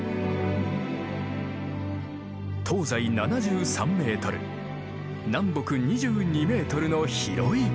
東西７３メートル南北２２メートルの広い空間。